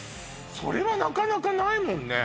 それはなかなかないもんね